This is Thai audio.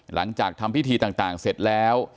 หลังจากทำพิธีต่างเสร็จแล้ว